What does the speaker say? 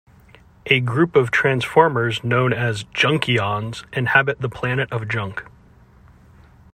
A group of Transformers known as Junkions inhabit the Planet of Junk.